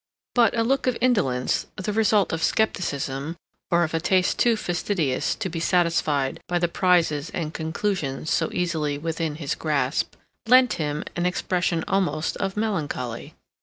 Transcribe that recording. But a look of indolence, the result of skepticism or of a taste too fastidious to be satisfied by the prizes and conclusions so easily within his grasp, lent him an expression almost of melancholy.